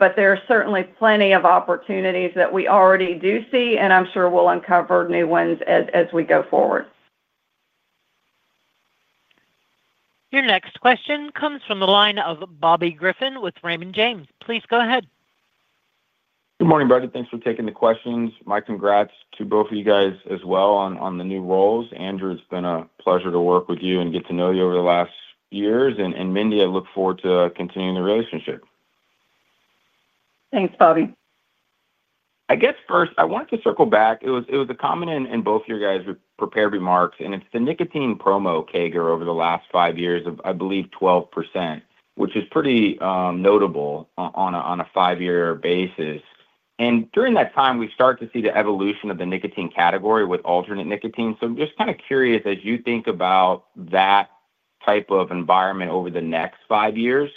but there are certainly plenty of opportunities that we already do see, and I'm sure we'll uncover new ones as we go forward. Your next question comes from the line of Bobby Griffin with Raymond James. Please go ahead. Good morning, Bobby. Thanks for taking the questions. My congrats to both of you guys as well on the new roles. Andrew, it's been a pleasure to work with you and get to know you. Over the last years. Mindy, I look forward to continuing the relationship. Thanks Bobby. I guess first I wanted to circle back. It was a common in both your guys' prepared remarks and it's the nicotine promo CAGR over the last five years of, I believe, 12% which is pretty notable on a five-year basis. During that time we start to see the evolution of the nicotine category with alternate nicotine. I'm just kind of curious as you think about that type of environment over the next five years,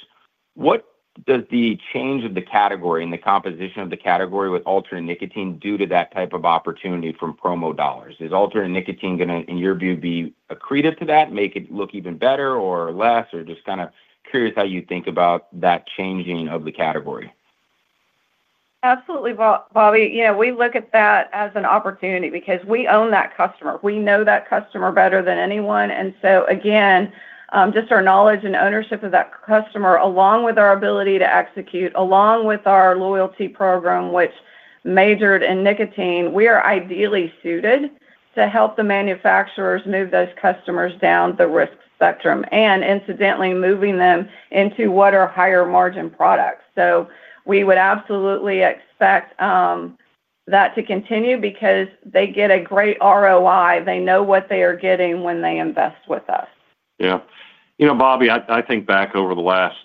what does the change of the category and the composition of the category with alternate nicotine do to that type of opportunity from promo dollars? Is alternate nicotine going to, in your view, be accretive to that, make it look even better or less, or just kind of curious how you think about that changing of the category? Absolutely, Bobby. You know, we look at that as an opportunity because we own that customer, we know that customer better than anyone. Just our knowledge and ownership of that customer, along with our ability to execute along with our loyalty program which majored in nicotine, we are ideally suited to help the manufacturers move those customers down the risk spectrum and incidentally moving them into what are higher margin products. We would absolutely expect that to continue because they get a great ROI. They know what they are getting when they invest in with us. Yeah, you know Bobby, I think back over the last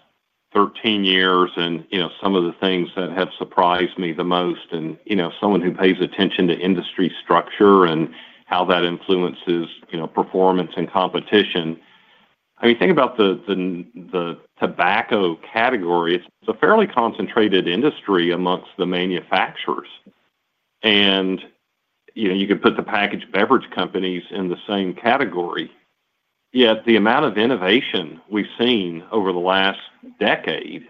13 years and some of the things that have surprised me the most, and someone who pays attention to industry structure and how that influences performance and competition. I mean, think about the tobacco category. It's a fairly concentrated industry amongst the manufacturers, and you could put the packaged beverage companies in the same category. Yet the amount of innovation we've seen over the last decade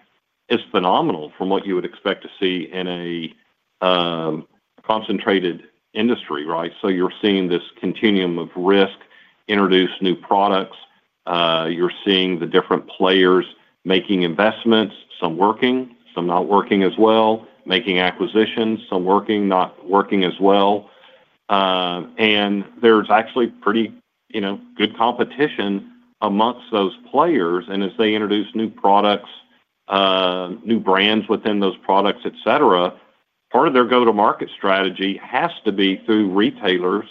is phenomenal from what you would expect to see in a concentrated industry. Right. You are seeing this continuum of risk introduce new products, you are seeing the different players making investments, some working, some not working as well, making acquisitions, some working, not working as well. There is actually pretty good competition amongst those players. As they introduce new products, new brands within those products, etc., part of their go to market strategy has to be through retailers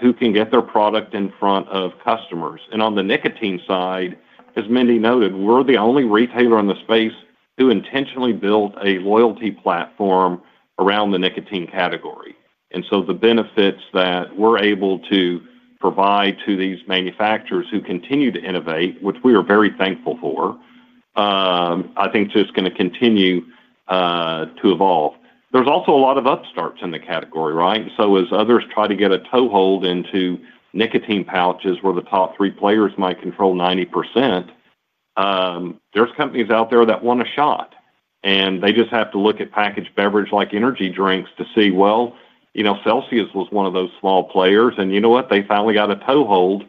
who can get their product in front of customers. On the nicotine side, as Mindy noted, we're the only retailer in the space who intentionally built a loyalty platform around the nicotine category. The benefits that we're able to provide to these manufacturers who continue to innovate, which we are very thankful for, I think are just going to continue to evolve. There is also a lot of upstarts in the category, right? As others try to get a toehold into nicotine pouches where the top three players might control 90%, there are companies out there that want a shot, and they just have to look at packaged beverage like energy drinks to see, well, CELSIUS was one of those small players and you know what? They finally got a toehold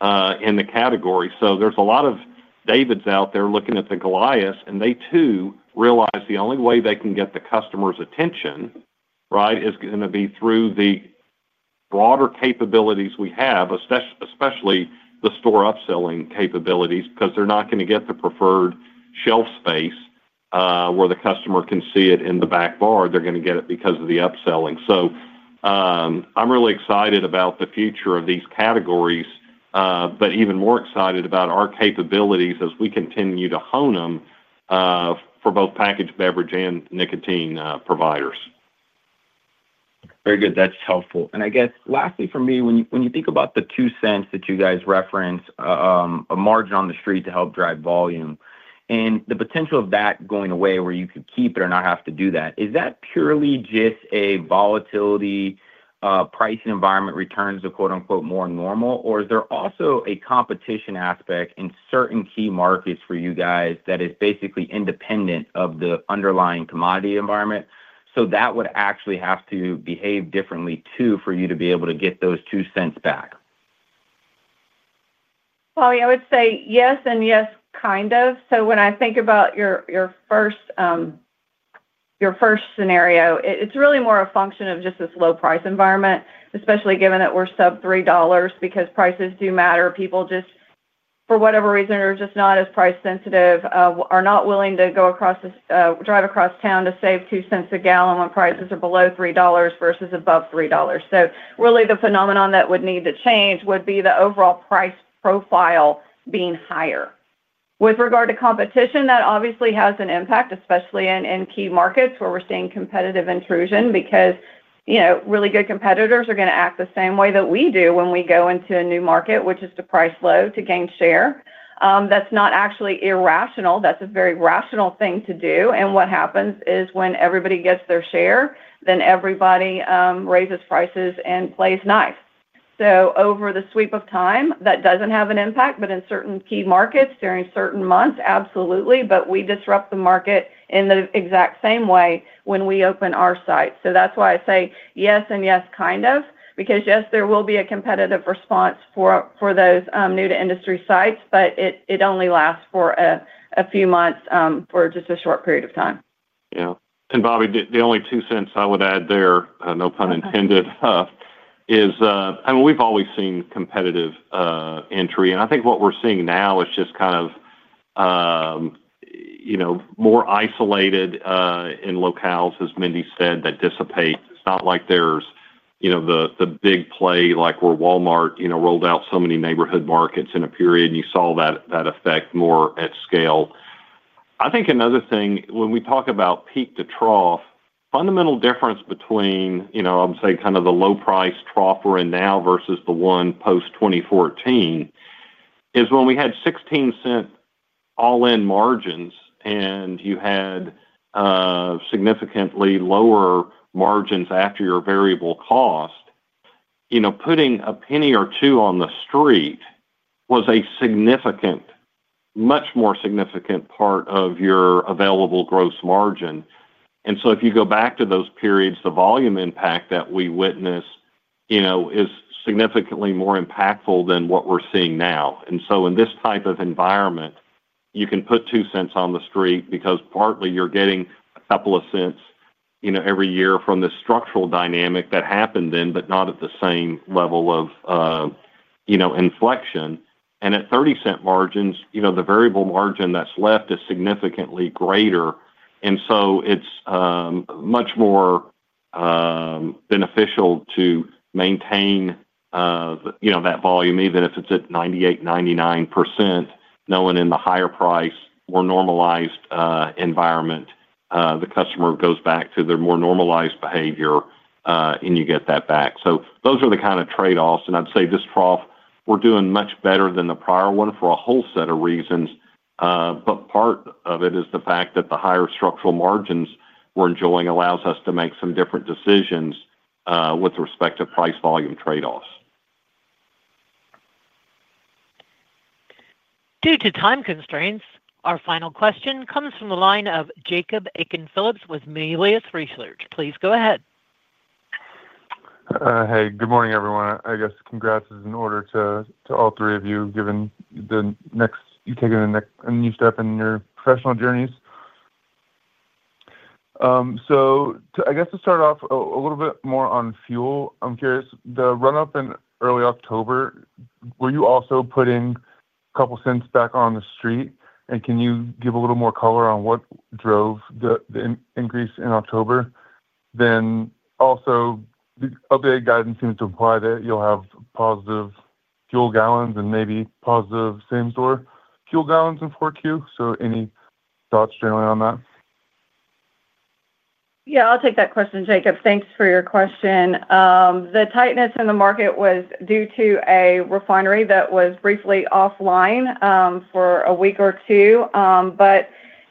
in the category. There are a lot of Davids out there looking at the Goliaths, and they too realize the only way they can get the customer's attention is going to be through the broader capabilities we have, especially the store upselling capabilities, because they are not going to get the preferred shelf space where the customer can see it in the back bar. They are going to get it because of the upselling. I'm really excited about the future of these categories, but even more excited about our capabilities as we continue to hone them for both packaged beverage and nicotine providers. Very good, that's helpful. Lastly for me, when you think about the $0.02 that you guys reference as margin on the street to help drive volume and the potential of that going away where you could keep it or not have to do that, is that purely just a volatility pricing environment, returns a quote unquote more normal? Is there also a competition aspect in certain key markets for you guys that is basically independent of the underlying commodity environment? That would actually have to behave differently too for you to be able to get those $0.02 back. I would say yes and yes, kind of. When I think about your first scenario, it's really more a function of just this low price environment, especially given that we're sub $3 because prices do matter. People just for whatever reason are just not as price sensitive, are not willing to drive across town to save $0.02 a gallon when prices are below $3 versus above $3. The phenomenon that would need to change would be the overall price profile being higher with regard to competition. That obviously has an impact, especially in key markets where we're seeing competitive intrusion because really good competitors are going to act the same way that we do when we go into a new market, which is to price low to gain share. That's not actually irrational. That's a very rational thing to do. What happens is when everybody gets their share, then everybody raises prices and plays nice. Over the sweep of time, that doesn't have an impact. In certain key markets, during certain months, absolutely. We disrupt the market in the exact same way when we open our site. That's why I say yes and yes, kind of. Yes, there will be a competitive response for those new to industry sites, but it only lasts for a few months, for just a short period of time. Yeah. Bobby, the only two cents I would add there, no pun intended, is we've always seen competitive entry. I think what we're seeing now is just kind of, you know, more isolated in locales, as Mindy said, that dissipate. It's not like there's, you know, the big play like where Walmart, you know, rolled out so many neighborhood markets in a period. You saw that effect more at point. Some. I think another thing when we talk about peak to trough, a fundamental difference between, you know, I would say kind of the low price trough we're in now versus the one post 2014 is when we had $0.16 all-in margins and you had significantly lower margins after your variable cost. You know, putting a penny or two on the street was a significant, much more significant part of your available gross margin. If you go back to those periods, the volume impact that we witness is significantly more impactful than what we're seeing now. In this type of environment, you can put $0.02 on the street because partly you're getting a couple of cents every year from the structural dynamic that happened then, but not at the same level of inflection. At $0.30 margins, the variable margin that's left is significantly greater. It's much more beneficial to maintain that volume, even if it's at 98%, 99%, knowing in the higher price, more normalized environment, the customer goes back to their more normalized behavior and you get that back. Those are the kind of trade offs. I'd say this trough we're doing much better than the prior one for a whole set of reasons. Part of it is the fact that the higher structural margins we're enjoying allows us to make some different decisions with respect to price volume trade offs. Due to time constraints, our final question comes from the line of Jacob Aiken-Phillips with Melius Research. Please go ahead. Hey, good morning everyone. I guess congrats is in order to all three of you given the next you've taken a new step in your professional journeys. To start off a little bit more on fuel, I'm curious the run up in early October, were you also putting a couple cents back on the street, and can you give a little more color on what drove the increase in October? The updated guidance seems to imply that you'll have positive fuel gallons and maybe positive same store fuel gallons in 4Q. Any thoughts generally on that? Yeah, I'll take that question, Jacob, thanks for your question. The tightness in the market was due to a refinery that was briefly offline for a week or two.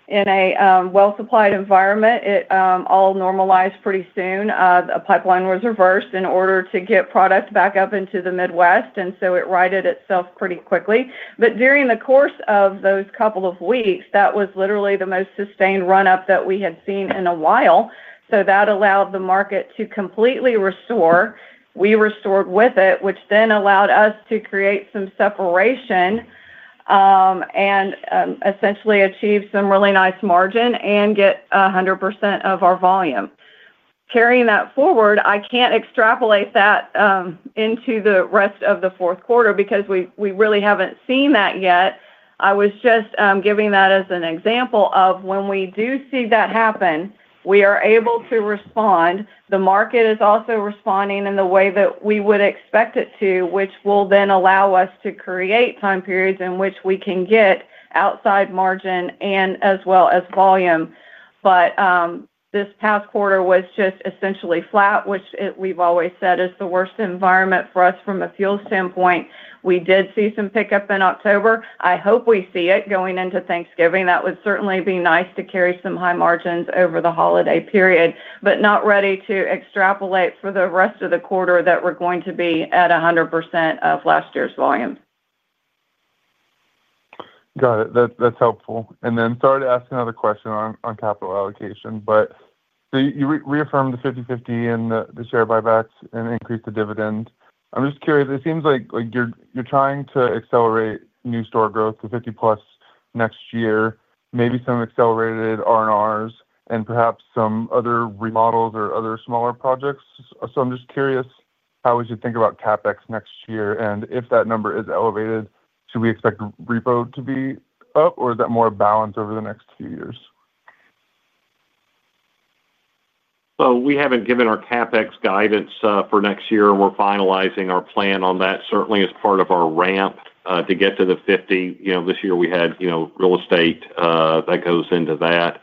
In a well-supplied environment, it all normalized. Pretty soon, a pipeline was reversed in order to get product back up into the Midwest, and it righted itself pretty quickly. During the course of those couple of weeks, that was literally the most sustained run-up that we had seen in a while. That allowed the market to completely restore, we restored with it, which then allowed us to create some separation and essentially achieve some really nice margin and get 100% of our volume carrying that forward. I can't extrapolate that into the rest of the fourth quarter because we really haven't seen that yet. I was just giving that as an example of when we do see that happen. We are able to respond. The market is also responding in the way that we would expect it to, which will then allow us to create time periods in which we can get outside margin as well as volume. This past quarter was just essentially flat, which we've always said is the worst environment for us from a fuel standpoint. We did see some pickup in October. I hope we see it going into Thanksgiving. That would certainly be nice to carry some high margins over the holiday period. Not ready to extrapolate for the rest of the quarter that we're going to be at 100% of last year's volume. Got it. That's helpful. Sorry to ask another question on capital allocation, but you reaffirmed the 50/50 and the share buybacks and increased the dividend. I'm just curious. It seems like you're trying to accelerate new store growth to 50+ next year, maybe some accelerated RRs and perhaps some other remodels or other smaller projects. I'm just curious how we should think about CapEx next year, and if that number is elevated, should we expect repo to be up or is that more balanced over the next few years? We haven't given our CapEx guidance for next year. We're finalizing our plan on that certainly as part of our ramp to get to the 50. This year we had real estate that goes into that,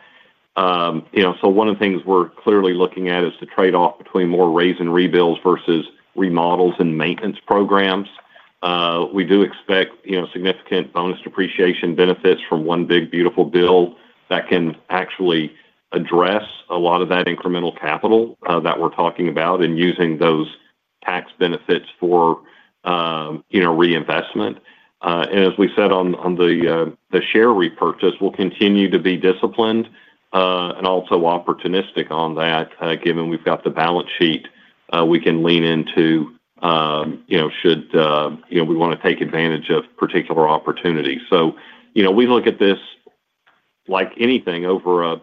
so one of the things we're clearly looking at is the trade-off between more raising rebuilds versus remodels and maintenance programs. We do expect significant bonus depreciation benefits from one big beautiful build that can actually address a lot of that incremental capital that we're talking about and using those tax benefits for reinvestment. As we said on the share repurchase, we'll continue to be disciplined and also opportunistic on that, given we've got the balance sheet we can lean into, should we want to take advantage of particular opportunities. We look at this like anything over a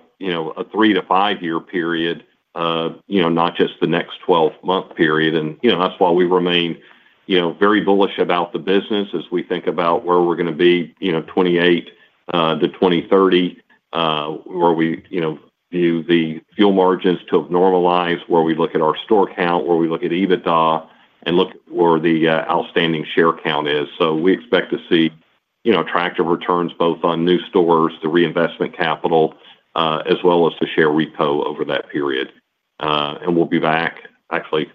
three to five year period, not just the next 12 month period. That's why we remain very bullish about the business as we think about where we're going to be 2028-2030, where we view the fuel margins to normalize, where we look at our store count, where we look at EBITDA and look where the outstanding share count is. We expect to see attractive returns both on new stores, the reinvestment capital as well as the share repo over that period. We'll be back, actually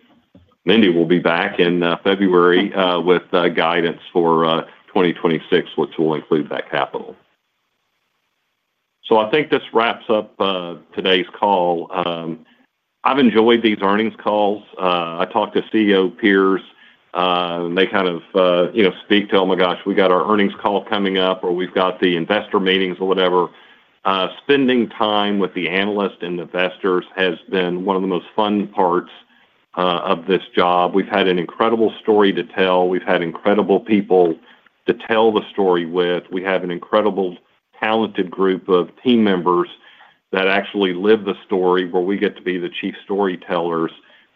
Mindy will be back in February with guidance for 2026, which will include that capital. I think this wraps up today's call. I've enjoyed these earnings calls. I talked to CEO peers. They kind of speak to, oh my gosh, we got our earnings call coming up or we've got the investor meetings or whatever. Spending time with the analysts and investors has been one of the most fun parts of this job. We've had an incredible story to tell. We've had incredible people to tell the story with. We have an incredible talented group of team members that actually live the story where we get to be the chief storytellers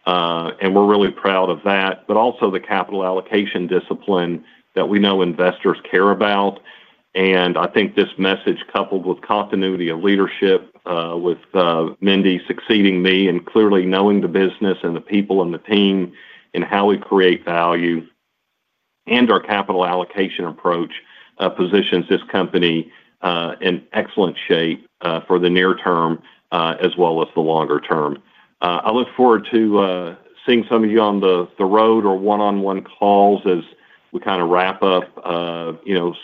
and we're really proud of that. Also the capital allocation discipline that we know investors care about. I think this message, coupled with continuity of leadership, with Mindy succeeding me and clearly knowing the business and the people on the team in how we create value and our capital allocation approach positions this company in excellent shape for the near term as well as the longer term. I look forward to seeing some of you on the road or one on one calls as we kind of wrap up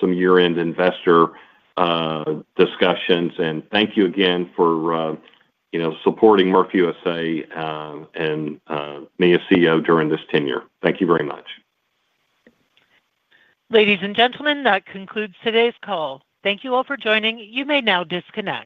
some year end investor discussions. Thank you again for supporting Murphy USA and me as CEO during this tenure. Thank you very much. Ladies and gentlemen, that concludes today's call. Thank you all for joining. You may now disconnect.